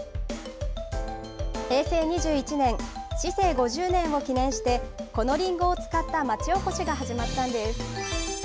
平成２１年、市政５０年を記念して、このりんごを使った町おこしが始まったんです。